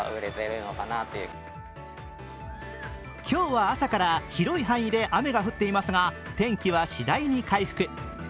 今日は朝から広い範囲で雨が降っていますが天気はしだいに回復。